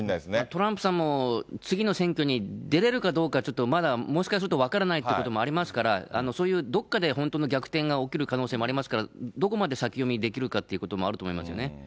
トランプさんも次の選挙に出れるかどうか、まだちょっと、まだもしかすると分からないってこともありますから、そういうどっかで本当の逆転が起きる可能性もありますから、どこまで先読みできるかということもあると思いますよね。